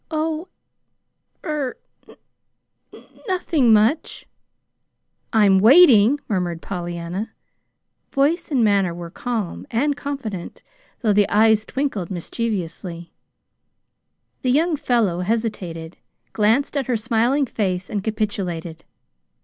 "Oh, er n nothing, much." "I'm waiting," murmured Pollyanna. Voice and manner were calm and confident, though the eyes twinkled mischievously. The young fellow hesitated, glanced at her smiling face, and capitulated.